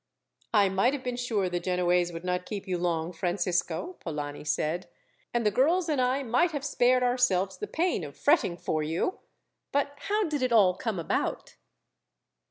"I might have been sure the Genoese would not keep you long, Francisco," Polani said; "and the girls and I might have spared ourselves the pain of fretting for you. But how did it all come about?"